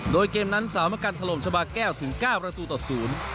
โดยเกมนั้นสามกันถล่มชาบาแก้วถึงเก้าประตูต่อศูนย์